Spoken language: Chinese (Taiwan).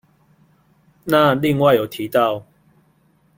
那另外有提到